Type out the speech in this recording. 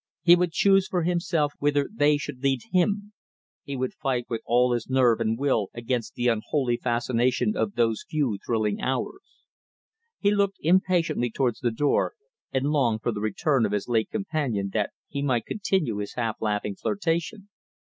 He would choose for himself whither they should lead him; he would fight with all his nerve and will against the unholy fascination of those few thrilling hours. He looked impatiently towards the door, and longed for the return of his late companion that he might continue his half laughing flirtation.